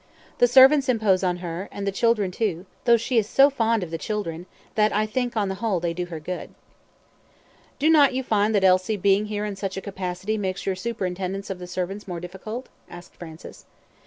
The servants impose on her, and the children, too though she is so fond of the children, that I think on the whole they do her good." "Do not you find that Elsie being here in such a capacity makes your superintendence of the servants more difficult?" asked Francis.